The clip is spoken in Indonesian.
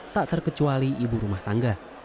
tak terkecuali ibu rumah tangga